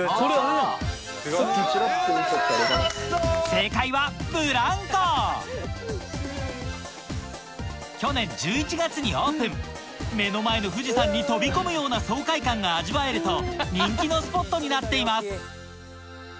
正解は去年１１月にオープン目の前の富士山に飛び込むような爽快感が味わえると人気のスポットになっています